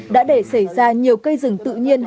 đã để xảy ra nhiều cây rừng tự nhiên